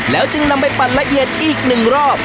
จึงนำไปปั่นละเอียดอีก๑รอบ